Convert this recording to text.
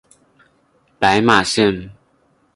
白马线